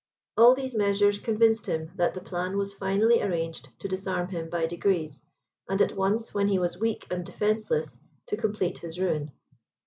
All these measures convinced him that the plan was finally arranged to disarm him by degrees, and at once, when he was weak and defenceless, to complete his ruin.